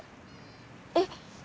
えっ？